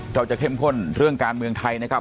เข้มข้นเรื่องการเมืองไทยนะครับ